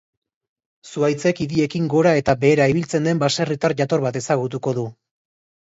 Zuhaitzek idiekin gora eta behera ibiltzen den baserritar jator bat ezagutuko du.